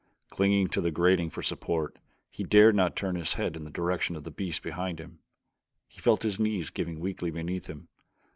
Clinging to the grating for support he dared not turn his head in the direction of the beasts behind him. He felt his knees giving weakly beneath him.